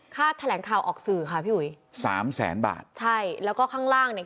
แถลงข่าวออกสื่อค่ะพี่อุ๋ยสามแสนบาทใช่แล้วก็ข้างล่างเนี่ย